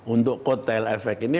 untuk hotel efek ini